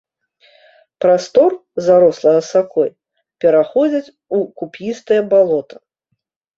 Прастор, зарослы асакой, пераходзіць у куп'істае балота.